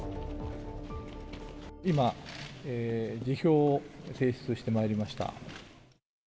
今、辞表を提出してまいりました。